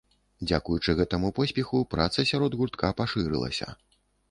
Дзякуючы гэтаму поспеху праца сярод гуртка пашырылася.